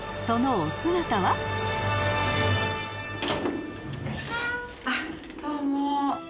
そのお姿はあっどうも。